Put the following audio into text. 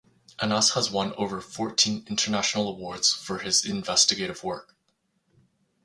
Anas has won over fourteen international awards for his investigative work.